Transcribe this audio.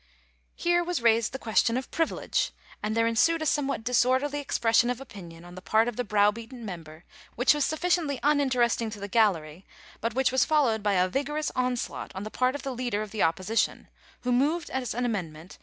Here was raised die qoesioa of pmilege. and there en sued a sofsewfaar disordeiiT opresaon of opcrdon on the part of the brow beaten member, which was srimciently un interesting to the gallerT, bcit which was followed bv a vigoroizs onslaught on the part of the leader of the Opposi tion, who mored as an amendment.